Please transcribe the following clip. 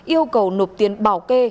yêu cầu nộp tiền bảo kê